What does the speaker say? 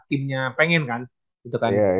timnya pengen kan gitu kan